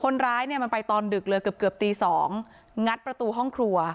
คนร้ายเนี่ยมันไปตอนดึกเลยเกือบตี๒งัดประตูห้องครัว